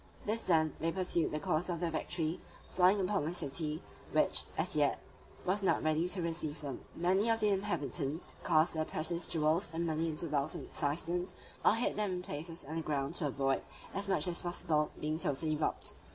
This done, they pursued the course of their victory, falling upon the city, which as yet was not ready to receive them. Many of the inhabitants cast their precious jewels and money into wells and cisterns, or hid them in places underground, to avoid as much as possible, being totally robbed.